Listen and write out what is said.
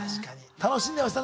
楽しんでましたね